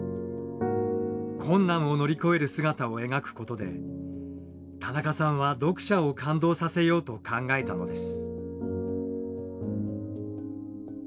困難を乗り越える姿を描くことで田中さんは読者を感動させようと考えたのです。